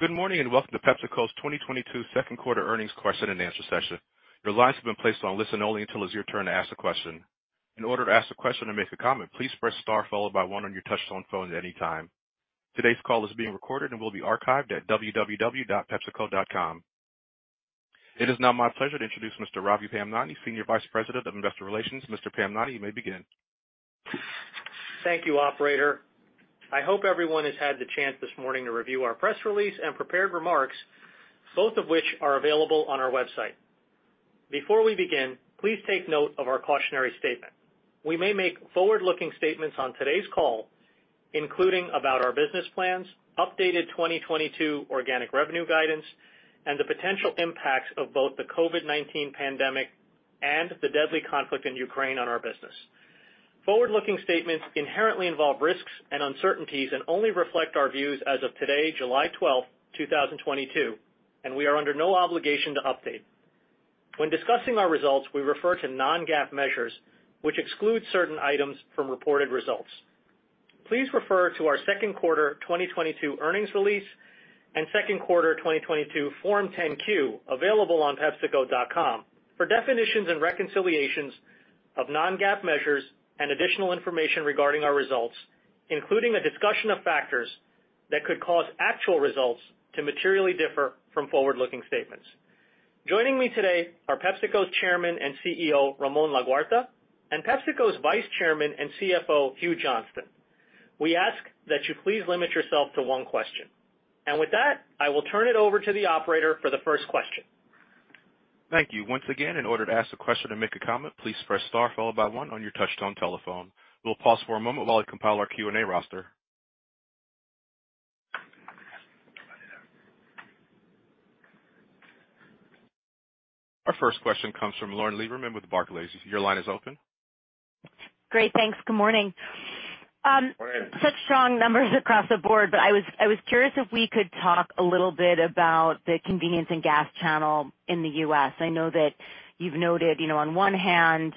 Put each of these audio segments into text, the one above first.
Good morning, and welcome to PepsiCo's 2022 second quarter earnings question-and-answer session. Your lines have been placed on listen only until it's your turn to ask a question. In order to ask a question and make a comment, please press star followed by one on your touchtone phone at any time. Today's call is being recorded and will be archived at www.pepsico.com. It is now my pleasure to introduce Mr. Ravi Pamnani, Senior Vice President of Investor Relations. Mr. Pamnani, you may begin. Thank you, operator. I hope everyone has had the chance this morning to review our press release and prepared remarks, both of which are available on our website. Before we begin, please take note of our cautionary statement. We may make forward-looking statements on today's call, including about our business plans, updated 2022 organic revenue guidance, and the potential impacts of both the COVID-19 pandemic and the deadly conflict in Ukraine on our business. Forward-looking statements inherently involve risks and uncertainties and only reflect our views as of today, July 12, 2022, and we are under no obligation to update. When discussing our results, we refer to non-GAAP measures, which exclude certain items from reported results. Please refer to our second quarter 2022 earnings release and second quarter 2022 Form 10-Q, available on pepsico.com, for definitions and reconciliations of non-GAAP measures and additional information regarding our results, including a discussion of factors that could cause actual results to materially differ from forward-looking statements. Joining me today are PepsiCo's Chairman and CEO, Ramon Laguarta, and PepsiCo's Vice Chairman and CFO, Hugh Johnston. We ask that you please limit yourself to one question. With that, I will turn it over to the operator for the first question. Thank you. Once again, in order to ask a question or make a comment, please press star followed by one on your touchtone telephone. We'll pause for a moment while we compile our Q&A roster. Our first question comes from Lauren Lieberman with Barclays. Your line is open. Great. Thanks. Good morning. Morning. Such strong numbers across the board, but I was curious if we could talk a little bit about the convenience and gas channel in the U.S. I know that you've noted, you know, on one hand,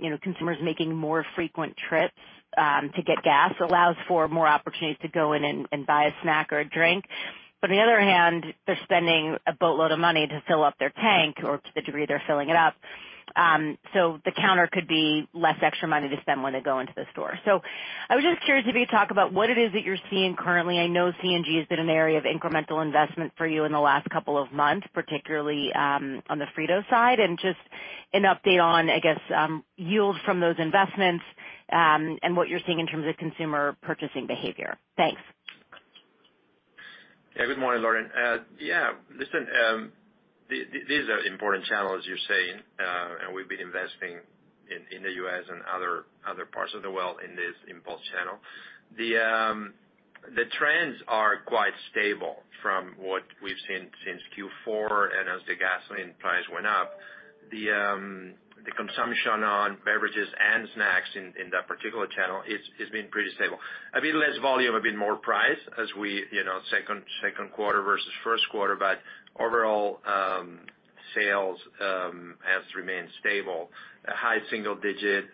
you know, consumers making more frequent trips to get gas allows for more opportunities to go in and buy a snack or a drink. But on the other hand, they're spending a boatload of money to fill up their tank or to the degree they're filling it up. The counter could be less extra money to spend when they go into the store. I was just curious if you could talk about what it is that you're seeing currently. I know C&G has been an area of incremental investment for you in the last couple of months, particularly, on the Frito-Lay side, and just an update on, I guess, yield from those investments, and what you're seeing in terms of consumer purchasing behavior. Thanks. Good morning, Lauren. Yeah, listen, these are important channels, as you're saying, and we've been investing in the U.S. and other parts of the world in this impulse channel. The trends are quite stable from what we've seen since Q4 and as the gasoline price went up. The consumption on beverages and snacks in that particular channel has been pretty stable. A bit less volume, a bit more price as we you know second quarter versus first quarter. Overall, sales has remained stable. A high single digit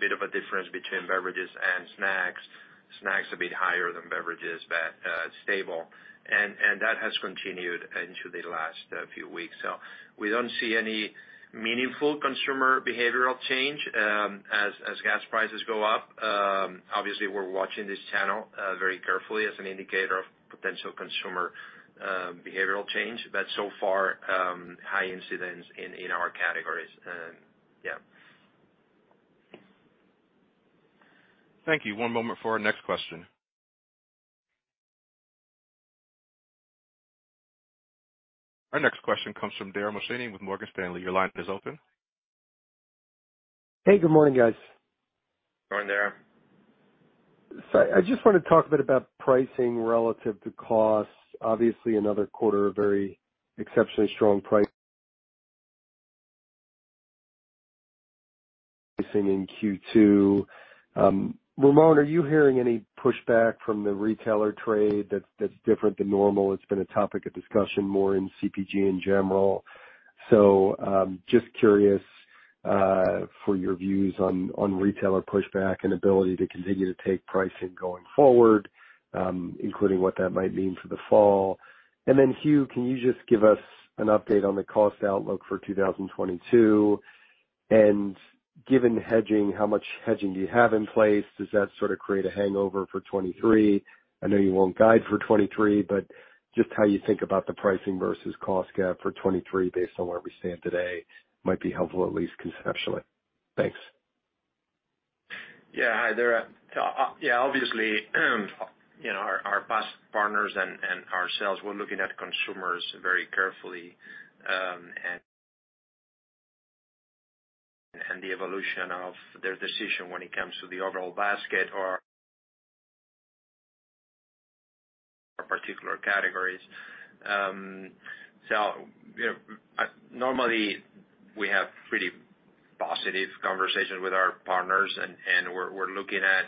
bit of a difference between beverages and snacks. Snacks a bit higher than beverages, but stable. That has continued into the last few weeks. We don't see any meaningful consumer behavioral change as gas prices go up. Obviously, we're watching this channel very carefully as an indicator of potential consumer behavioral change, but so far, high incidence in our categories. Thank you. One moment for our next question. Our next question comes from Dara Mohsenian with Morgan Stanley. Your line is open. Hey, good morning, guys. Morning, Dara. I just wanna talk a bit about pricing relative to cost. Obviously another quarter of very exceptionally strong pricing in Q2. Ramon, are you hearing any pushback from the retailer trade that's different than normal? It's been a topic of discussion more in CPG in general. Just curious for your views on retailer pushback and ability to continue to take pricing going forward, including what that might mean for the fall. Then, Hugh, can you just give us an update on the cost outlook for 2022? Given hedging, how much hedging do you have in place? Does that sort of create a hangover for 2023? I know you won't guide for 2023, but just how you think about the pricing versus cost gap for 2023 based on where we stand today might be helpful, at least conceptually. Thanks. Yeah. Hi, Dara Mohsenian. Yeah, obviously, you know, our partners and ourselves, we're looking at consumers very carefully, and the evolution of their decision when it comes to the overall basket or particular categories. You know, normally we have pretty... Positive conversations with our partners. We're looking at,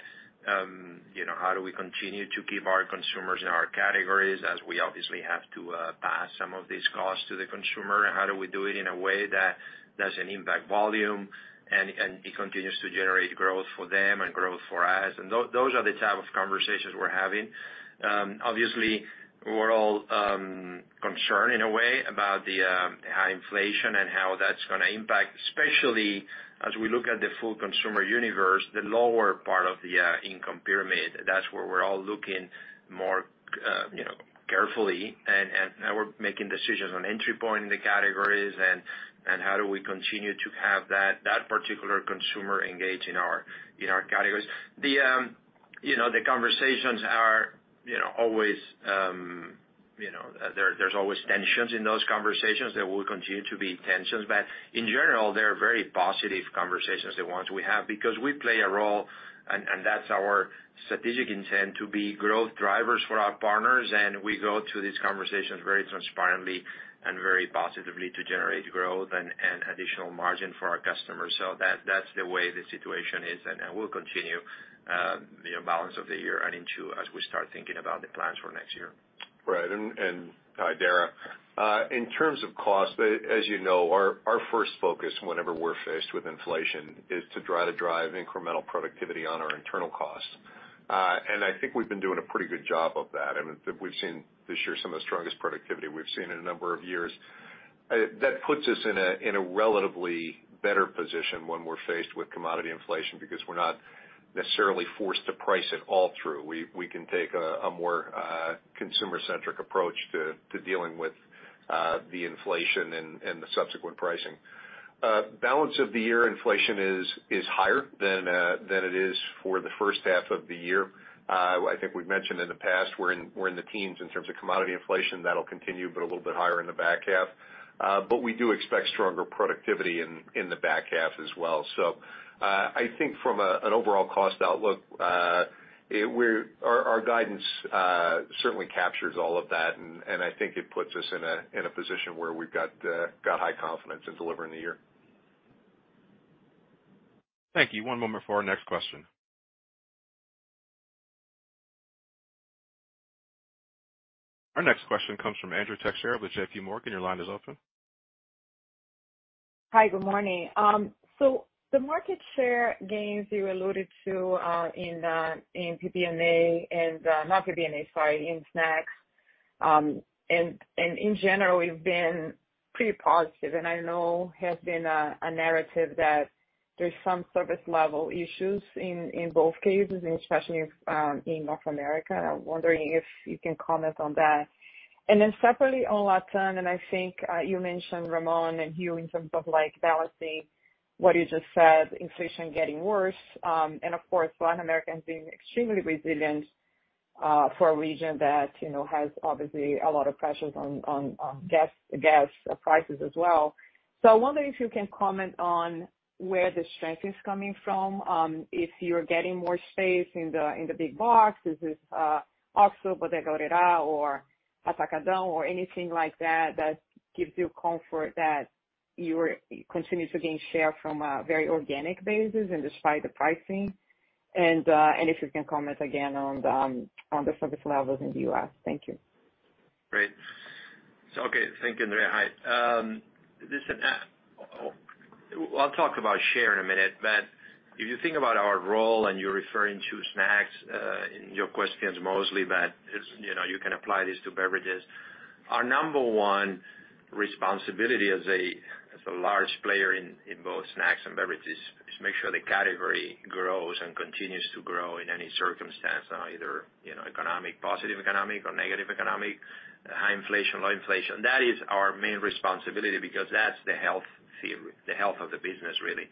you know, how do we continue to keep our consumers in our categories as we obviously have to pass some of these costs to the consumer. How do we do it in a way that doesn't impact volume and it continues to generate growth for them and growth for us? Those are the type of conversations we're having. Obviously we're all concerned in a way about the high inflation and how that's gonna impact, especially as we look at the full consumer universe, the lower part of the income pyramid. That's where we're all looking more carefully and we're making decisions on entry point in the categories and how do we continue to have that particular consumer engaged in our categories. You know, the conversations are you know always you know there's always tensions in those conversations. There will continue to be tensions. In general, they're very positive conversations, the ones we have, because we play a role, and that's our strategic intent to be growth drivers for our partners. We go to these conversations very transparently and very positively to generate growth and additional margin for our customers. That's the way the situation is, and it will continue the balance of the year and into as we start thinking about the plans for next year. Right, hi, Dara. In terms of cost, as you know, our first focus whenever we're faced with inflation is to try to drive incremental productivity on our internal costs. I think we've been doing a pretty good job of that, and we've seen this year some of the strongest productivity we've seen in a number of years. That puts us in a relatively better position when we're faced with commodity inflation because we're not necessarily forced to price it all through. We can take a more consumer-centric approach to dealing with the inflation and the subsequent pricing. Balance of the year inflation is higher than it is for the first half of the year. I think we've mentioned in the past we're in the teens in terms of commodity inflation. That'll continue, but a little bit higher in the back half. We do expect stronger productivity in the back half as well. I think from an overall cost outlook, our guidance certainly captures all of that. I think it puts us in a position where we've got high confidence in delivering the year. Thank you. One moment for our next question. Our next question comes from Andrea Teixeira with JPMorgan. Your line is open. Hi, good morning. The market share gains you alluded to in in PBNA and not PBNA, sorry, in snacks and in general, we've been pretty positive. I know there has been a narrative that there's some service level issues in both cases, and especially in North America. I'm wondering if you can comment on that. Then separately on LatAm, I think you mentioned Ramon and you in terms of like balancing what you just said, inflation getting worse. Of course, Latin America has been extremely resilient for a region that has obviously a lot of pressures on gas prices as well. I wonder if you can comment on where the strength is coming from, if you're getting more space in the big box. Is this also Bodega Aurrerá or Atacadão or anything like that that gives you comfort that you're continuing to gain share from a very organic basis and despite the pricing? If you can comment again on the service levels in the U.S. Thank you. Great. Okay. Thank you, Andrea. Hi. Listen, I'll talk about share in a minute, but if you think about our role, and you're referring to snacks in your questions mostly, but you know, you can apply this to beverages. Our number one responsibility as a large player in both snacks and beverages is make sure the category grows and continues to grow in any circumstance, either you know, economic, positive economic or negative economic, high inflation, low inflation. That is our main responsibility because that's the health theory, the health of the business, really.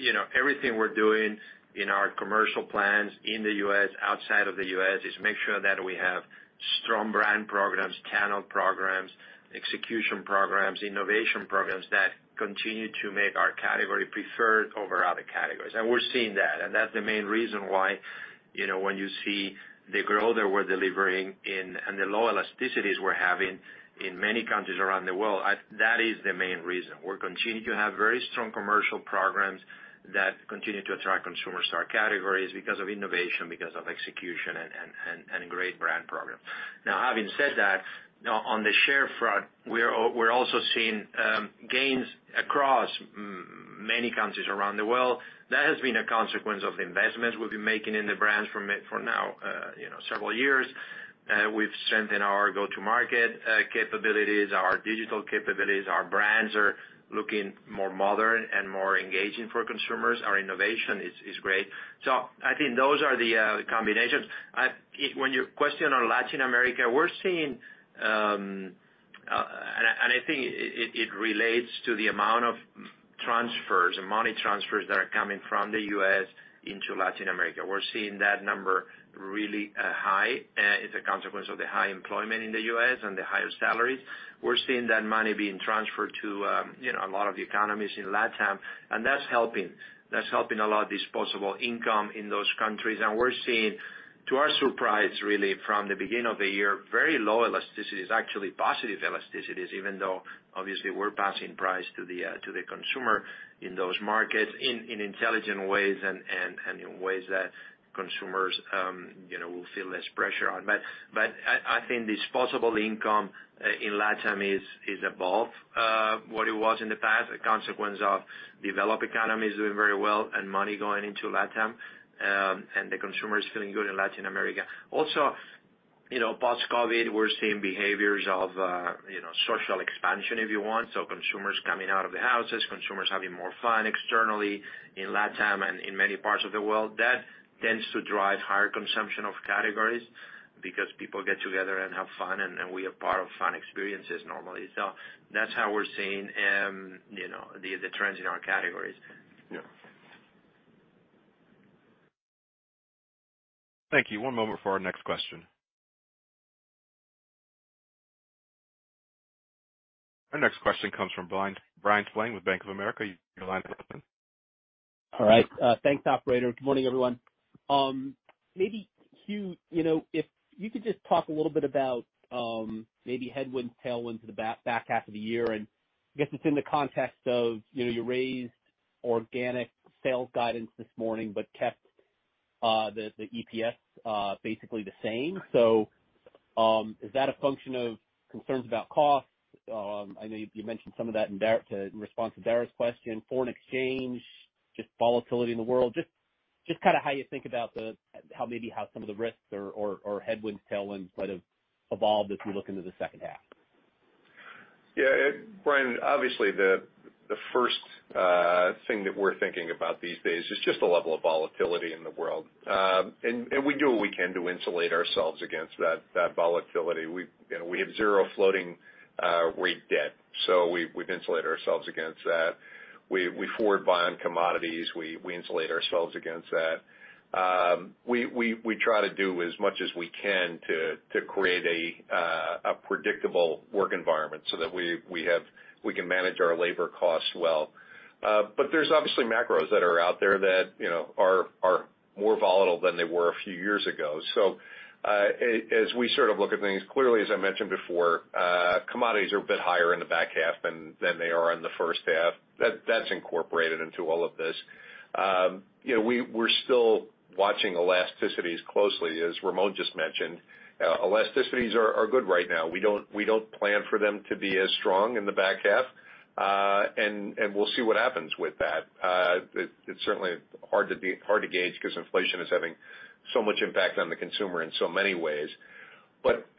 You know, everything we're doing in our commercial plans in the U.S., outside of the U.S., is make sure that we have strong brand programs, channel programs, execution programs, innovation programs that continue to make our category preferred over other categories. We're seeing that, and that's the main reason why, you know, when you see the growth that we're delivering in, and the low elasticities we're having in many countries around the world, that is the main reason. We're continuing to have very strong commercial programs that continue to attract consumers to our categories because of innovation, because of execution and great brand programs. Now, having said that, on the share front, we're also seeing gains across many countries around the world. That has been a consequence of the investments we've been making in the brands for now, you know, several years. We've strengthened our go-to-market capabilities, our digital capabilities. Our brands are looking more modern and more engaging for consumers. Our innovation is great. I think those are the combinations. When you asked your question on Latin America, we're seeing I think it relates to the amount of money transfers that are coming from the U.S. into Latin America. We're seeing that number really high. It's a consequence of the high employment in the U.S. and the higher salaries. We're seeing that money being transferred to you know a lot of the economies in LatAm, and that's helping a lot of disposable income in those countries. We're seeing to our surprise really from the beginning of the year very low elasticities, actually positive elasticities, even though obviously we're passing price to the consumer in those markets in intelligent ways and in ways that consumers you know will feel less pressure on. I think disposable income in LatAm is above what it was in the past, a consequence of developed economies doing very well and money going into LatAm, and the consumers feeling good in Latin America. Also, you know, post-COVID, we're seeing behaviors of you know social expansion, if you want, so consumers coming out of the houses, consumers having more fun externally in LatAm and in many parts of the world. That tends to drive higher consumption of categories because people get together and have fun, and we are part of fun experiences normally. That's how we're seeing you know the trends in our categories. Yeah. Thank you. One moment for our next question. Our next question comes from Bryan Spillane with Bank of America. Your line is open. All right. Thanks, operator. Good morning, everyone. Maybe, Hugh, you know, if you could just talk a little bit about, maybe headwinds, tailwinds in the back half of the year, and I guess it's in the context of, you know, you raised organic sales guidance this morning but kept the EPS basically the same. Is that a function of concerns about cost? I know you mentioned some of that in response to Dara's question. Foreign exchange, just volatility in the world. Just kinda how you think about the, how maybe some of the risks or headwinds, tailwinds might have evolved as we look into the second half. Yeah, Bryan, obviously the first thing that we're thinking about these days is just the level of volatility in the world. We do what we can to insulate ourselves against that volatility. You know, we have zero floating rate debt, so we've insulated ourselves against that. We forward buy on commodities. We insulate ourselves against that. We try to do as much as we can to create a predictable work environment so that we can manage our labor costs well. There's obviously macros that are out there that, you know, are more volatile than they were a few years ago. As we sort of look at things clearly, as I mentioned before, commodities are a bit higher in the back half than they are in the first half. That's incorporated into all of this. You know, we're still watching elasticities closely, as Ramon just mentioned. Elasticities are good right now. We don't plan for them to be as strong in the back half, and we'll see what happens with that. It's certainly hard to gauge 'cause inflation is having so much impact on the consumer in so many ways.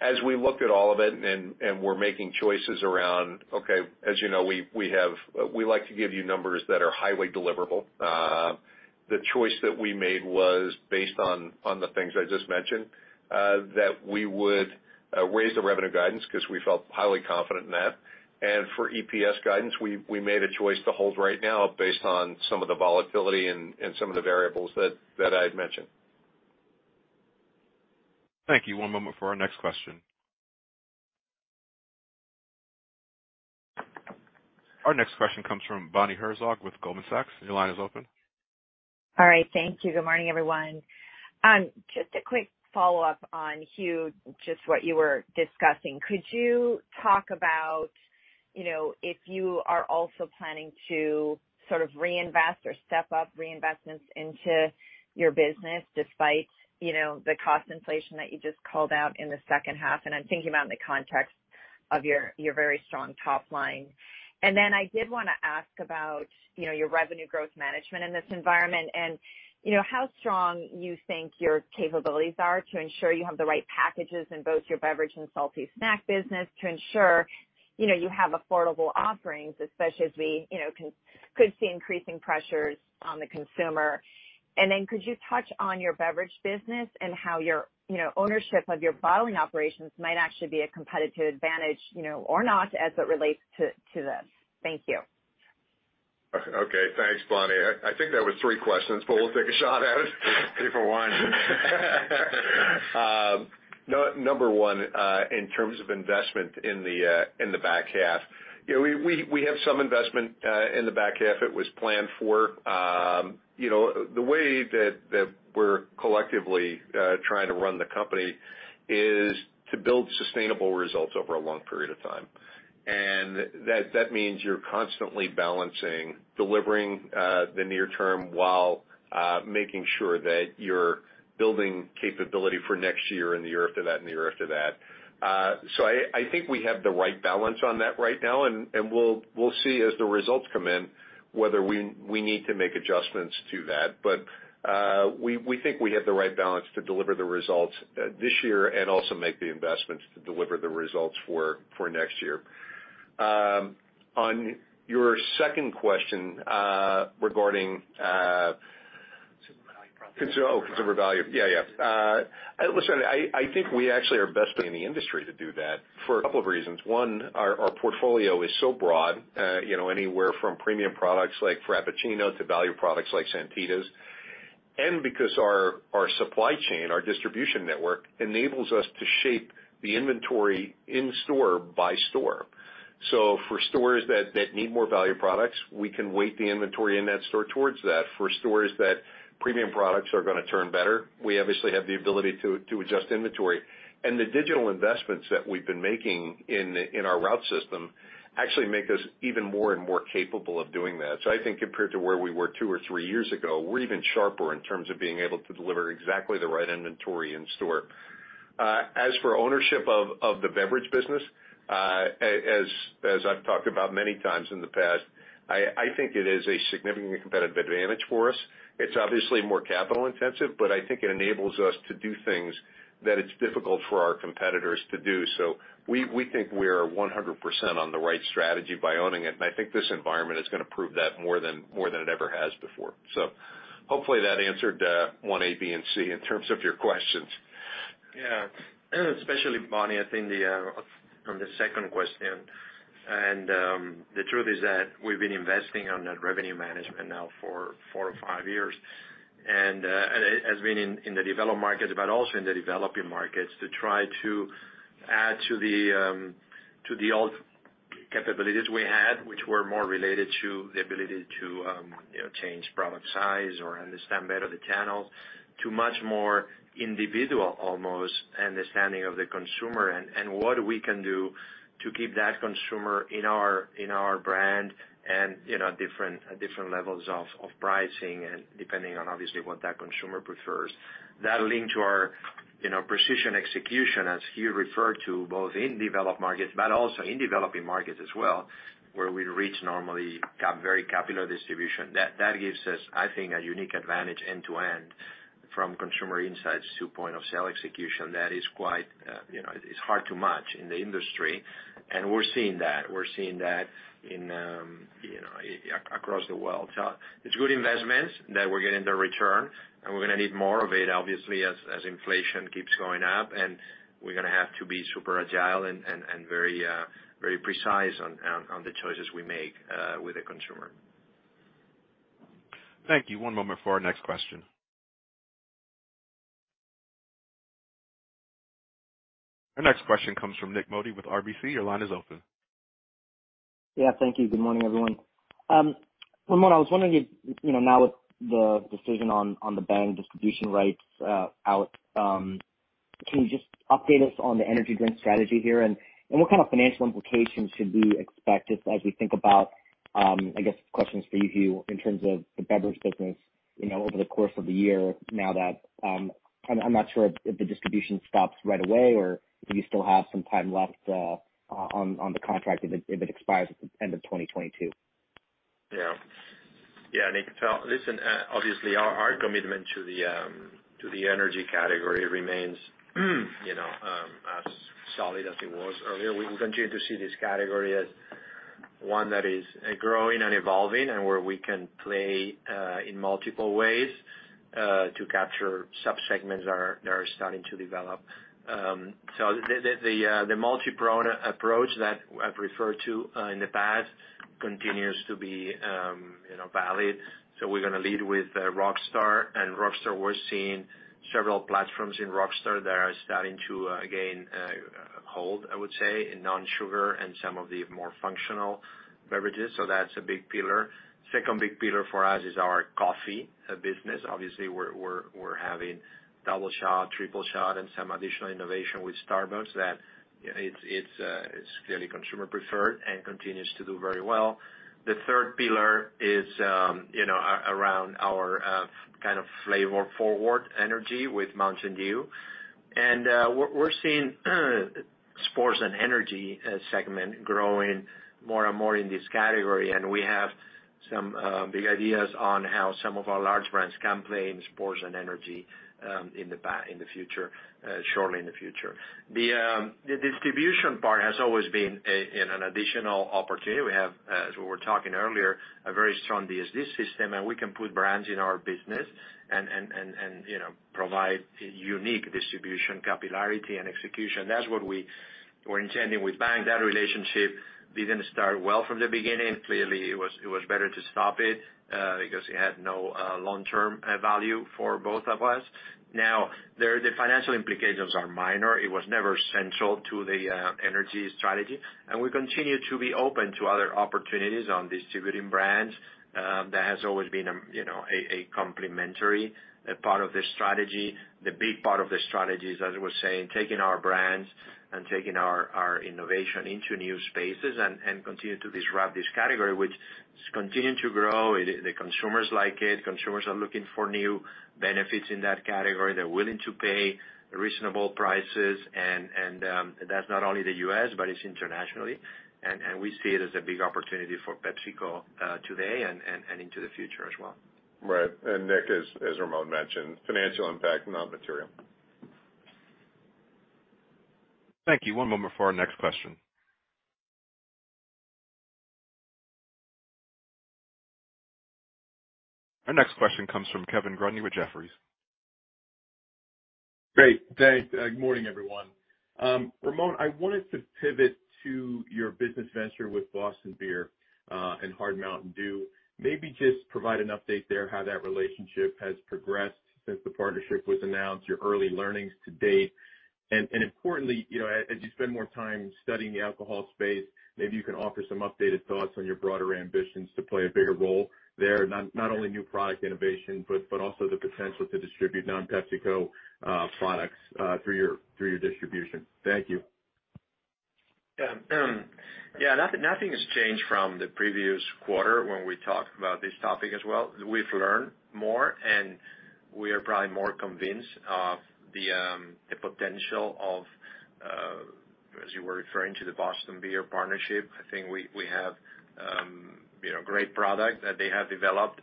As we look at all of it and we're making choices around, okay, as you know, we like to give you numbers that are highly deliverable. The choice that we made was based on the things I just mentioned that we would raise the revenue guidance 'cause we felt highly confident in that. For EPS guidance, we made a choice to hold right now based on some of the volatility and some of the variables that I had mentioned. Thank you. One moment for our next question. Our next question comes from Bonnie Herzog with Goldman Sachs. Your line is open. All right. Thank you. Good morning, everyone. Just a quick follow-up on, Hugh, just what you were discussing. Could you talk about, you know, if you are also planning to sort of reinvest or step up reinvestments into your business despite, you know, the cost inflation that you just called out in the second half? And I'm thinking about in the context of your very strong top line. And then I did wanna ask about, you know, your revenue growth management in this environment, and, you know, how strong you think your capabilities are to ensure you have the right packages in both your beverage and salty snack business to ensure, you know, you have affordable offerings, especially as we, you know, could see increasing pressures on the consumer. Could you touch on your beverage business and how your, you know, ownership of your bottling operations might actually be a competitive advantage, you know, or not, as it relates to this? Thank you. Okay. Thanks, Bonnie. I think that was three questions, but we'll take a shot at it. Three for one. Number one, in terms of investment in the back half, you know, we have some investment in the back half. It was planned for. You know, the way that we're collectively trying to run the company is to build sustainable results over a long period of time. That means you're constantly balancing delivering the near term while making sure that you're building capability for next year and the year after that and the year after that. So I think we have the right balance on that right now, and we'll see as the results come in whether we need to make adjustments to that. We think we have the right balance to deliver the results this year and also make the investments to deliver the results for next year. On your second question, regarding consumer value. Yeah. Listen, I think we actually are best in the industry to do that for a couple of reasons. One, our portfolio is so broad, you know, anywhere from premium products like Frappuccino to value products like Santitas. Because our supply chain, our distribution network enables us to shape the inventory in store by store. For stores that need more value products, we can weight the inventory in that store towards that. For stores that premium products are gonna turn better, we obviously have the ability to adjust inventory. The digital investments that we've been making in our route system actually make us even more and more capable of doing that. I think compared to where we were two or three years ago, we're even sharper in terms of being able to deliver exactly the right inventory in store. As for ownership of the beverage business, as I've talked about many times in the past, I think it is a significant competitive advantage for us. It's obviously more capital intensive, but I think it enables us to do things that it's difficult for our competitors to do. We think we're 100% on the right strategy by owning it, and I think this environment is gonna prove that more than it ever has before. Hopefully that answered one A, B and C in terms of your questions. Yeah. Especially Bonnie, I think on the second question, the truth is that we've been investing in that revenue management now for four or five years. Has been in the developed markets, but also in the developing markets to try to add to the old capabilities we had, which were more related to the ability to you know change product size or understand better the channels to much more individual, almost understanding of the consumer and what we can do to keep that consumer in our brand and, you know, different levels of pricing and depending on obviously what that consumer prefers. That link to our you know precision execution as Hugh referred to, both in developed markets, but also in developing markets as well, where we reach normally very capillary distribution. That gives us, I think, a unique advantage end to end from consumer insights to point of sale execution that is quite, you know, it's hard to match in the industry, and we're seeing that. We're seeing that in, you know, across the world. It's good investments that we're getting the return, and we're gonna need more of it obviously as inflation keeps going up, and we're gonna have to be super agile and very precise on the choices we make with the consumer. Thank you. One moment for our next question. Our next question comes from Nik Modi with RBC. Your line is open. Yeah, thank you. Good morning, everyone. Ramon, I was wondering if, you know, now with the decision on the Bang distribution rights out, can you just update us on the energy drink strategy here? What kind of financial implications should we expect as we think about, I guess questions for you two in terms of the beverage business, you know, over the course of the year now that I'm not sure if the distribution stops right away or do you still have some time left on the contract if it expires at the end of 2022? Yeah. Yeah, Nik. Listen, obviously our commitment to the energy category remains, you know, as solid as it was earlier. We continue to see this category as one that is growing and evolving and where we can play in multiple ways to capture sub-segments that are starting to develop. The multi-pronged approach that I've referred to in the past continues to be, you know, valid. We're gonna lead with Rockstar, and Rockstar, we're seeing several platforms in Rockstar that are starting to gain hold, I would say, in non-sugar and some of the more functional beverages. That's a big pillar. Second big pillar for us is our coffee business. Obviously, we're having Doubleshot, Tripleshot and some additional innovation with Starbucks that it's clearly consumer preferred and continues to do very well. The third pillar is, you know, around our kind of flavor forward energy with Mountain Dew. We're seeing sports and energy segment growing more and more in this category, and we have some big ideas on how some of our large brands can play in sports and energy in the future, shortly in the future. The distribution part has always been an additional opportunity. We have, as we were talking earlier, a very strong DSD system, and we can put brands in our business and, you know, provide unique distribution, capillarity and execution. That's what we were intending with Bang. That relationship didn't start well from the beginning. Clearly, it was better to stop it, because it had no long-term value for both of us. Now, the financial implications are minor. It was never central to the energy strategy, and we continue to be open to other opportunities on distributing brands. That has always been, you know, a complementary part of the strategy. The big part of the strategy is, as I was saying, taking our brands and taking our innovation into new spaces and continue to disrupt this category, which is continuing to grow. The consumers like it. Consumers are looking for new benefits in that category. They're willing to pay reasonable prices, and that's not only the U.S., but it's internationally. We see it as a big opportunity for PepsiCo, today and into the future as well. Right. Nik, as Ramon mentioned, financial impact, not material. Thank you. One moment before our next question. Our next question comes from Kevin Grundy with Jefferies. Great. Thanks. Good morning, everyone. Ramon, I wanted to pivot to your business venture with Boston Beer and Hard Mountain Dew. Maybe just provide an update there how that relationship has progressed since the partnership was announced, your early learnings to date. Importantly, you know, as you spend more time studying the alcohol space, maybe you can offer some updated thoughts on your broader ambitions to play a bigger role there, not only new product innovation, but also the potential to distribute non-PepsiCo products through your distribution. Thank you. Yeah. Nothing has changed from the previous quarter when we talked about this topic as well. We've learned more, and we are probably more convinced of the potential of, as you were referring to the Boston Beer partnership. I think we have you know great product that they have developed.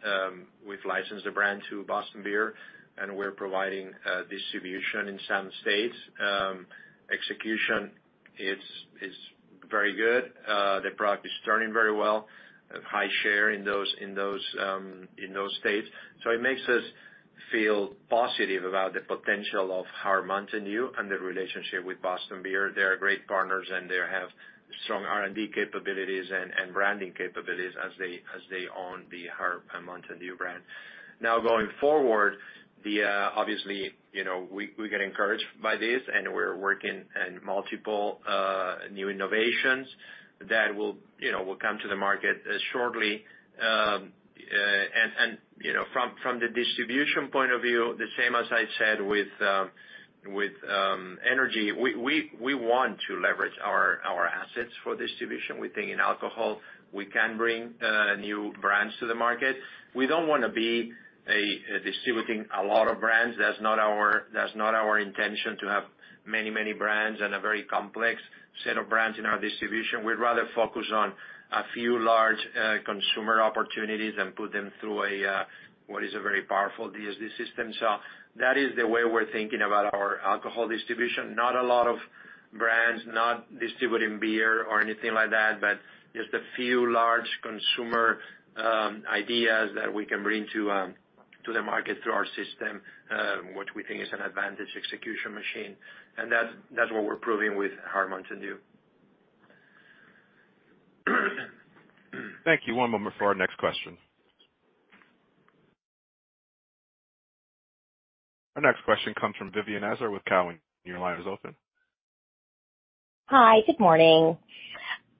We've licensed the brand to Boston Beer, and we're providing distribution in some states. Execution is very good. The product is turning very well. High share in those states. It makes us feel positive about the potential of Hard Mtn Dew and the relationship with Boston Beer. They're great partners, and they have strong R&D capabilities and branding capabilities as they own the Hard Mtn Dew brand. Now, going forward, obviously, you know, we get encouraged by this, and we're working in multiple new innovations that will come to the market shortly. You know, from the distribution point of view, the same as I said with energy, we want to leverage our assets for distribution. We think in alcohol we can bring new brands to the market. We don't wanna be distributing a lot of brands. That's not our intention to have many brands and a very complex set of brands in our distribution. We'd rather focus on a few large consumer opportunities and put them through a what is a very powerful DSD system. That is the way we're thinking about our alcohol distribution. Not a lot of brands, not distributing beer or anything like that, but just a few large consumer ideas that we can bring to the market through our system, which we think is an advantage execution machine. That's what we're proving with Hard Mtn Dew. Thank you. One moment for our next question. Our next question comes from Vivien Azer with Cowen. Your line is open. Hi. Good morning.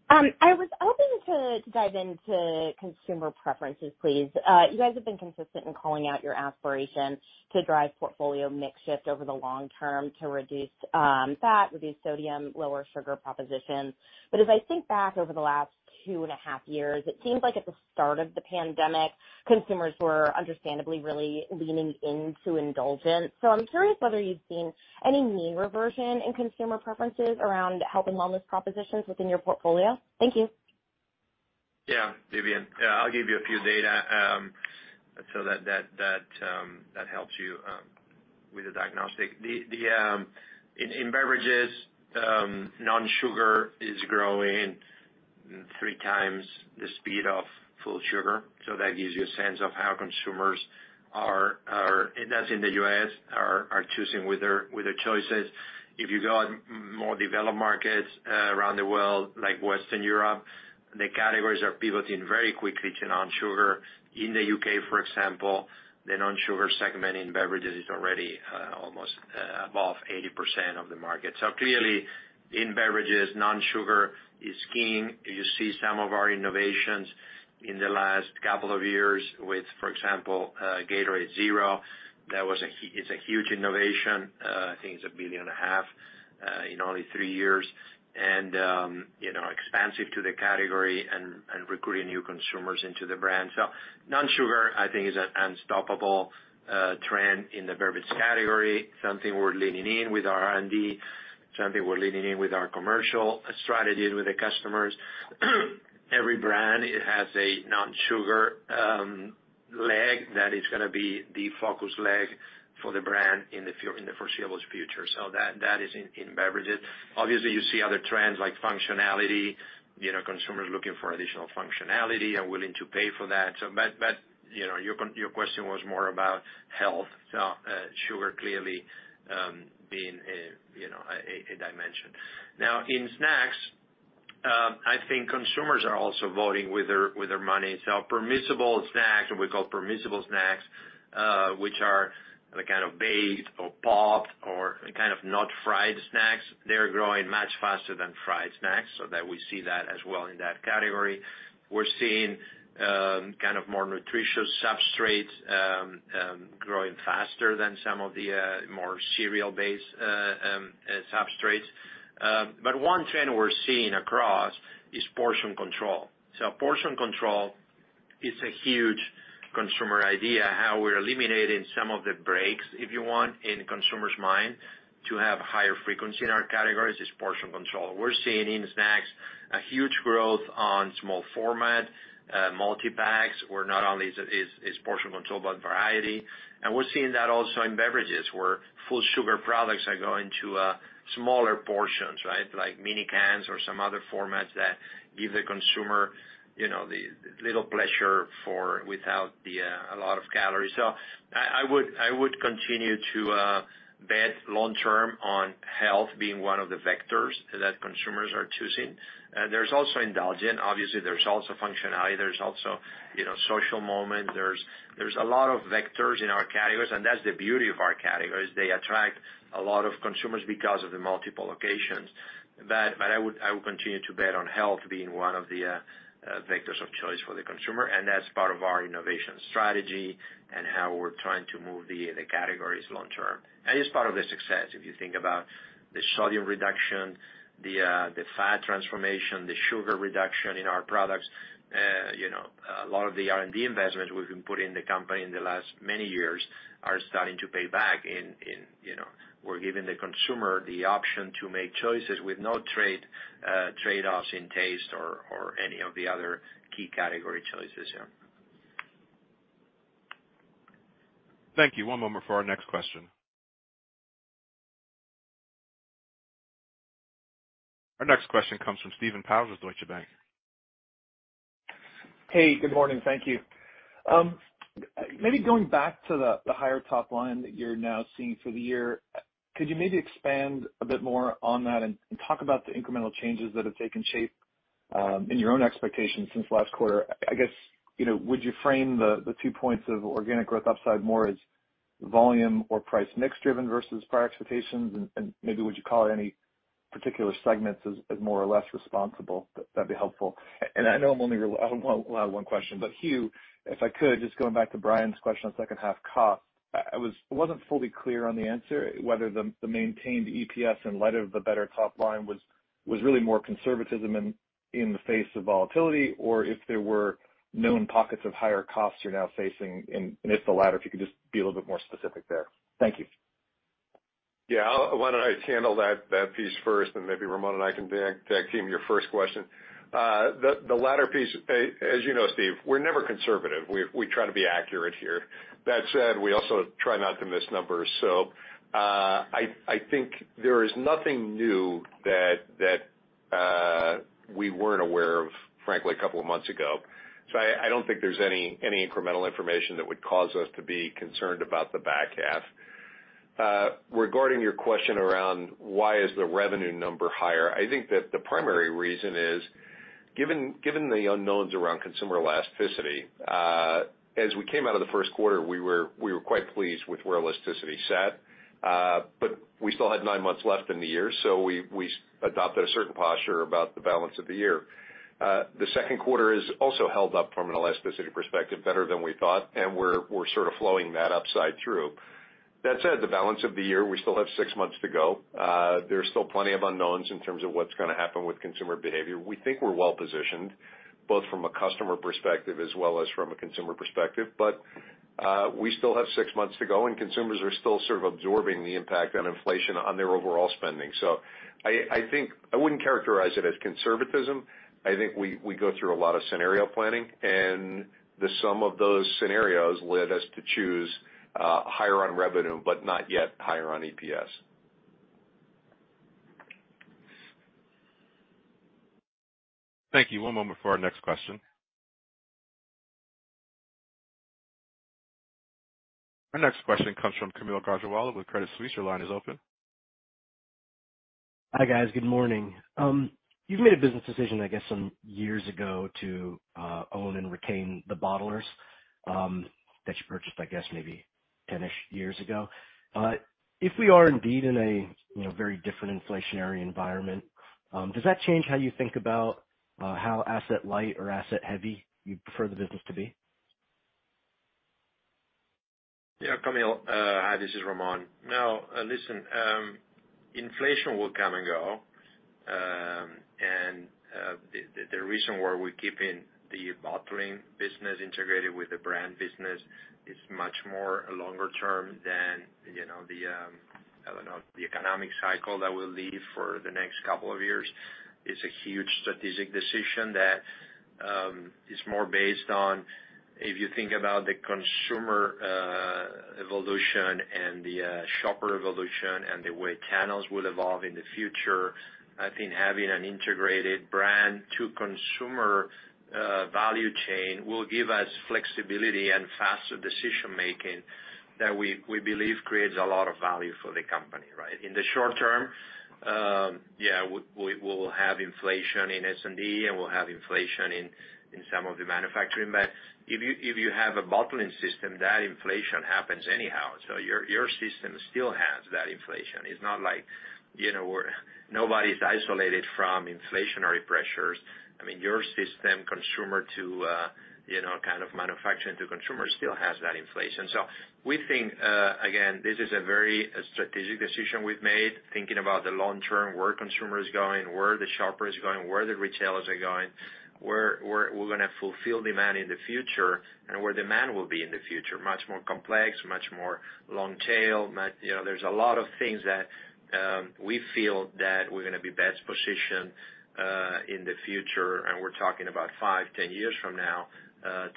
I was hoping to dive into consumer preferences, please. You guys have been consistent in calling out your aspiration to drive portfolio mix shift over the long term to reduce fat, reduce sodium, lower sugar propositions. As I think back over the last 2.5 years, it seems like at the start of the pandemic, consumers were understandably really leaning into indulgence. I'm curious whether you've seen any mean reversion in consumer preferences around health and wellness propositions within your portfolio. Thank you. Yeah, Vivien. Yeah, I'll give you a few data so that helps you with the diagnostic. In beverages, non-sugar is growing three times the speed of full sugar. That gives you a sense of how consumers are and that's in the U.S., choosing with their choices. If you go to more developed markets around the world, like Western Europe, the categories are pivoting very quickly to non-sugar. In the U.K., for example, the non-sugar segment in beverages is already almost above 80% of the market. Clearly in beverages, non-sugar is king. You see some of our innovations in the last couple of years with, for example, Gatorade Zero. It's a huge innovation, I think it's $1.5 billion in only three years. You know, expansive to the category and recruiting new consumers into the brand. Non-sugar, I think is an unstoppable trend in the beverage category, something we're leaning in with our R&D, something we're leaning in with our commercial strategies with the customers. Every brand has a non-sugar leg that is gonna be the focus leg for the brand in the foreseeable future. That is in beverages. Obviously, you see other trends like functionality. You know, consumers looking for additional functionality and willing to pay for that. You know, your question was more about health, sugar clearly being a dimension. Now, in snacks, I think consumers are also voting with their money. Permissible snacks, what we call permissible snacks, which are the kind of baked or popped or kind of not fried snacks, they're growing much faster than fried snacks, so that we see that as well in that category. We're seeing kind of more nutritious substrates growing faster than some of the more cereal-based substrates. One trend we're seeing across is portion control. Portion control. It's a huge consumer idea how we're eliminating some of the breaks, if you want, in consumer's mind to have higher frequency in our categories is portion control. We're seeing in snacks a huge growth on small format multi-packs, where not only is portion control, but variety. We're seeing that also in beverages, where full sugar products are going to smaller portions, right? Like mini cans or some other formats that give the consumer, you know, the little pleasure without a lot of calories. I would continue to bet long term on health being one of the vectors that consumers are choosing. There's also indulgent. Obviously, there's also functionality. There's also, you know, social moment. There's a lot of vectors in our categories, and that's the beauty of our categories. They attract a lot of consumers because of the multiple locations. But I would continue to bet on health being one of the vectors of choice for the consumer, and that's part of our innovation strategy and how we're trying to move the categories long term. It's part of the success. If you think about the sodium reduction, the fat transformation, the sugar reduction in our products, you know, a lot of the R&D investments we've been putting in the company in the last many years are starting to pay back in, you know, we're giving the consumer the option to make choices with no trade-offs in taste or any of the other key category choices. Yeah. Thank you. One moment for our next question. Our next question comes from Stephen Powers, Deutsche Bank. Hey, good morning. Thank you. Maybe going back to the higher top line that you're now seeing for the year, could you maybe expand a bit more on that and talk about the incremental changes that have taken shape in your own expectations since last quarter? I guess, you know, would you frame the 2 points of organic growth upside more as volume or price mix driven versus prior expectations? Maybe would you call out any particular segments as more or less responsible? That'd be helpful. I know I'm only allowed one question, but Hugh, if I could, just going back to Bryan's question on second half costs, I wasn't fully clear on the answer whether the maintained EPS in light of the better top line was really more conservatism in the face of volatility or if there were known pockets of higher costs you're now facing. If the latter, if you could just be a little bit more specific there. Thank you. Yeah. Why don't I handle that piece first and maybe Ramon and I can tag team your first question. The latter piece, as you know, Steven, we're never conservative. We try to be accurate here. That said, we also try not to miss numbers. So, I think there is nothing new that we weren't aware of, frankly, a couple of months ago. So I don't think there's any incremental information that would cause us to be concerned about the back half. Regarding your question around why is the revenue number higher, I think that the primary reason is given the unknowns around consumer elasticity, as we came out of the first quarter, we were quite pleased with where elasticity sat. We still had nine months left in the year, so we adopted a certain posture about the balance of the year. The second quarter has also held up from an elasticity perspective better than we thought, and we're sort of flowing that upside through. That said, the balance of the year, we still have six months to go. There's still plenty of unknowns in terms of what's gonna happen with consumer behavior. We think we're well positioned, both from a customer perspective as well as from a consumer perspective. We still have six months to go, and consumers are still sort of absorbing the impact of inflation on their overall spending. I think I wouldn't characterize it as conservatism. I think we go through a lot of scenario planning, and the sum of those scenarios led us to choose higher on revenue but not yet higher on EPS. Thank you. One moment for our next question. Our next question comes from Kaumil Gajrawala with Credit Suisse. Your line is open. Hi, guys. Good morning. You've made a business decision, I guess, some years ago to own and retain the bottlers that you purchased, I guess, maybe 10-ish years ago. If we are indeed in a you know very different inflationary environment, does that change how you think about how asset light or asset heavy you'd prefer the business to be? Yeah, Kaumil. Hi, this is Ramon. No, listen, inflation will come and go. The reason why we're keeping the bottling business integrated with the brand business is much more longer term than you know the I don't know the economic cycle that will live for the next couple of years. It's a huge strategic decision that is more based on if you think about the consumer evolution and the shopper evolution and the way channels will evolve in the future. I think having an integrated brand to consumer value chain will give us flexibility and faster decision-making that we believe creates a lot of value for the company, right? In the short term, yeah, we will have inflation in S&D and we'll have inflation in some of the manufacturing. If you have a bottling system, that inflation happens anyhow. Your system still has that inflation. It's not like you know, nobody's isolated from inflationary pressures. I mean, your system consumer to you know, kind of manufacturing to consumer still has that inflation. We think, again, this is a very strategic decision we've made, thinking about the long term, where consumer is going, where the shopper is going, where the retailers are going, where we're gonna fulfill demand in the future and where demand will be in the future. Much more complex, much more long tail. You know, there's a lot of things that we feel that we're gonna be best positioned in the future, and we're talking about five, 10 years from now,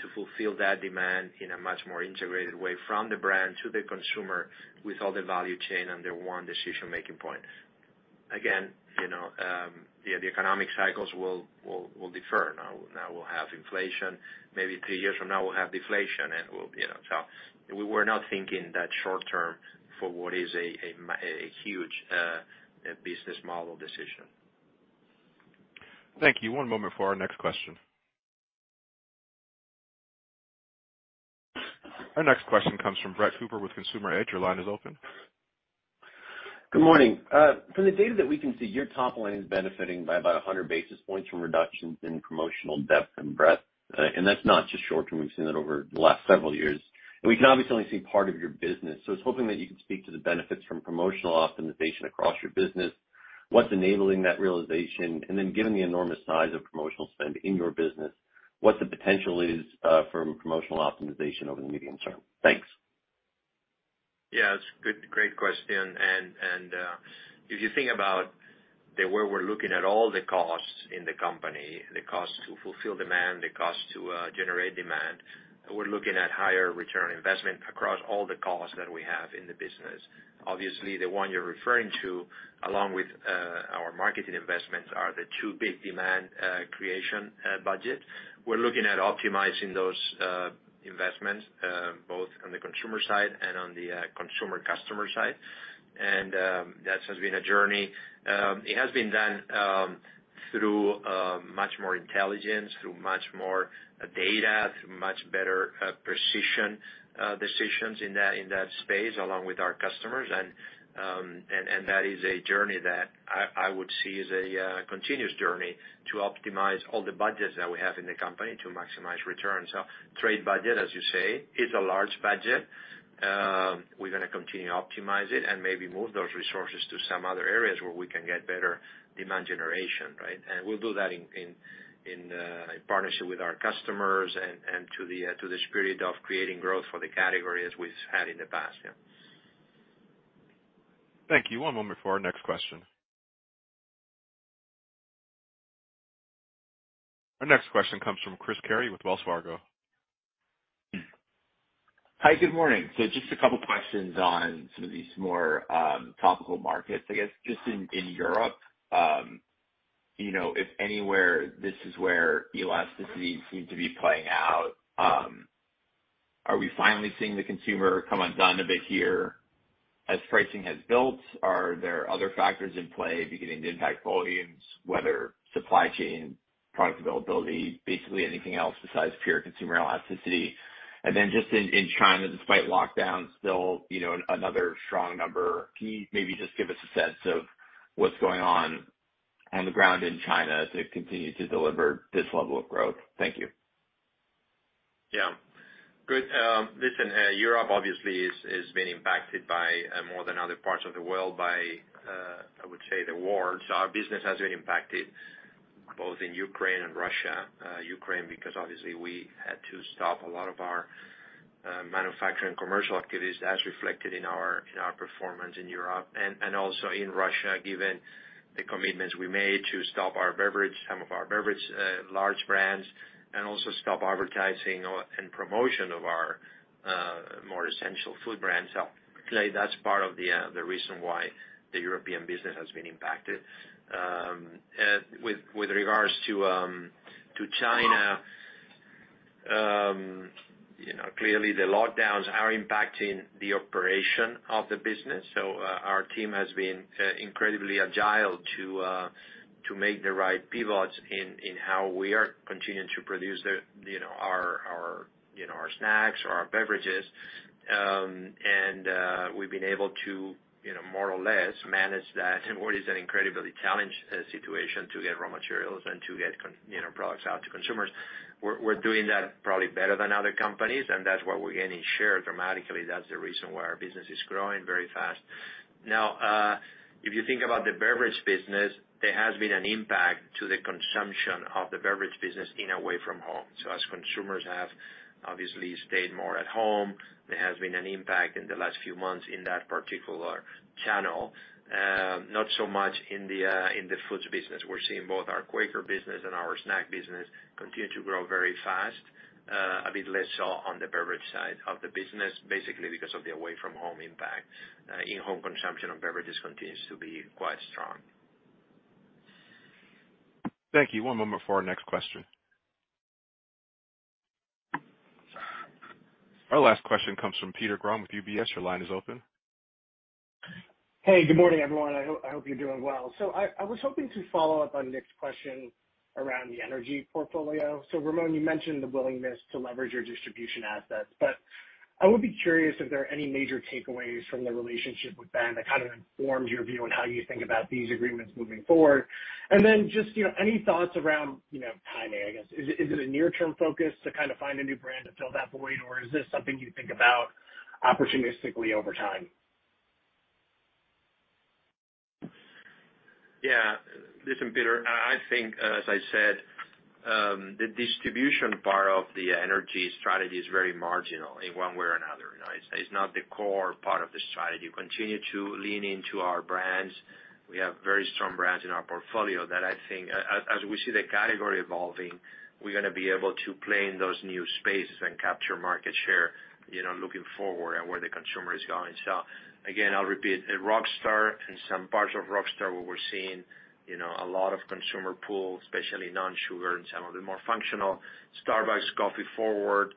to fulfill that demand in a much more integrated way from the brand to the consumer with all the value chain under one decision-making point. Again, you know, the economic cycles will differ. Now we'll have inflation. Maybe three years from now we'll have deflation and we'll, you know. We were not thinking that short term for what is a huge business model decision. Thank you. One moment for our next question. Our next question comes from Brett Cooper with Consumer Edge. Your line is open. Good morning. From the data that we can see, your top line is benefiting by about 100 basis points from reductions in promotional depth and breadth. That's not just short term. We've seen that over the last several years. We can obviously only see part of your business. I was hoping that you could speak to the benefits from promotional optimization across your business, what's enabling that realization, and then given the enormous size of promotional spend in your business, what the potential is, for promotional optimization over the medium term. Thanks. Yeah, it's good, great question. If you think about the way we're looking at all the costs in the company, the cost to fulfill demand, the cost to generate demand, we're looking at higher return on investment across all the costs that we have in the business. Obviously, the one you're referring to, along with our marketing investments, are the two big demand creation budget. We're looking at optimizing those investments both on the consumer side and on the consumer-customer side. That has been a journey. It has been done through much more intelligence, through much more data, through much better precision decisions in that space, along with our customers. That is a journey that I would see as a continuous journey to optimize all the budgets that we have in the company to maximize returns. Trade budget, as you say, is a large budget. We're gonna continue to optimize it and maybe move those resources to some other areas where we can get better demand generation, right? We'll do that in partnership with our customers and to the spirit of creating growth for the category as we've had in the past. Yeah. Thank you. One moment for our next question. Our next question comes from Chris Carey with Wells Fargo. Hi, good morning. Just a couple questions on some of these more topical markets. I guess just in Europe, you know, if anywhere, this is where elasticity seems to be playing out, are we finally seeing the consumer come undone a bit here? As pricing has built, are there other factors in play beginning to impact volumes, whether supply chain, product availability, basically anything else besides pure consumer elasticity? Just in China, despite lockdowns, still, you know, another strong number. Can you maybe just give us a sense of what's going on on the ground in China to continue to deliver this level of growth? Thank you. Yeah. Good. Listen, Europe obviously is being impacted by more than other parts of the world by I would say the war. Our business has been impacted both in Ukraine and Russia. Ukraine because obviously we had to stop a lot of our manufacturing commercial activities, as reflected in our performance in Europe. Also in Russia, given the commitments we made to stop our beverage, some of our beverage large brands, and also stop advertising and promotion of our more essential food brands. Clearly that's part of the reason why the European business has been impacted. With regards to China, you know, clearly the lockdowns are impacting the operation of the business. Our team has been incredibly agile to make the right pivots in how we are continuing to produce the, you know, our snacks or our beverages. We've been able to, you know, more or less manage that in what is an incredibly challenged situation to get raw materials and to get products out to consumers. We're doing that probably better than other companies, and that's why we're gaining share dramatically. That's the reason why our business is growing very fast. Now, if you think about the beverage business, there has been an impact to the consumption of the beverage business in the away-from-home. As consumers have obviously stayed more at home, there has been an impact in the last few months in that particular channel. Not so much in the foods business. We're seeing both our Quaker business and our snack business continue to grow very fast. A bit less so on the beverage side of the business, basically because of the away from home impact. In-home consumption of beverages continues to be quite strong. Thank you. One moment for our next question. Our last question comes from Peter Grom with UBS. Your line is open. Hey, good morning, everyone. I hope you're doing well. I was hoping to follow up on Nik's question around the energy portfolio. Ramon, you mentioned the willingness to leverage your distribution assets, but I would be curious if there are any major takeaways from the relationship with Bang that kind of informed your view on how you think about these agreements moving forward. Just, you know, any thoughts around, you know, timing, I guess. Is it a near-term focus to kind of find a new brand to fill that void, or is this something you think about opportunistically over time? Yeah. Listen, Peter, I think, as I said, the distribution part of the energy strategy is very marginal in one way or another. It's not the core part of the strategy. We continue to lean into our brands. We have very strong brands in our portfolio that I think as we see the category evolving, we're gonna be able to play in those new spaces and capture market share, you know, looking forward at where the consumer is going. Again, I'll repeat, at Rockstar, in some parts of Rockstar, where we're seeing, you know, a lot of consumer pull, especially non-sugar and some of the more functional. Starbucks coffee forward,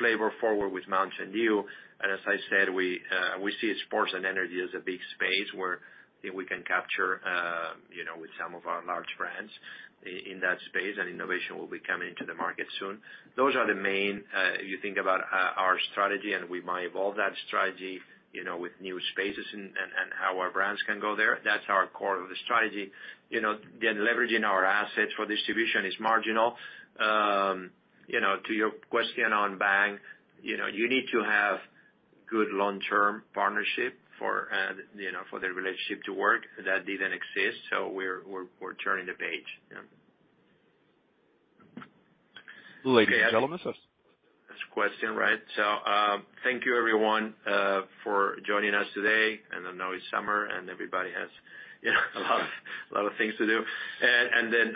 flavor forward with Mountain Dew. As I said, we see sports and energy as a big space where, you know, we can capture with some of our large brands in that space, and innovation will be coming into the market soon. Those are the main. You think about our strategy, and we might evolve that strategy, you know, with new spaces and how our brands can go there. That's our core of the strategy. You know, again, leveraging our assets for distribution is marginal. To your question on Bang, you know, you need to have good long-term partnership for the relationship to work. That didn't exist, so we're turning the page. Yeah. Ladies and gentlemen, this is. Last question, right? Thank you everyone for joining us today, and I know it's summer and everybody has, you know, a lot of things to do.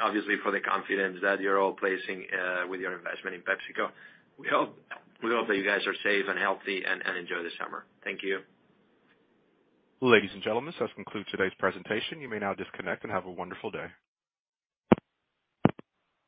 Obviously for the confidence that you're all placing with your investment in PepsiCo. We hope that you guys are safe and healthy and enjoy the summer. Thank you. Ladies and gentlemen, this concludes today's presentation. You may now disconnect and have a wonderful day.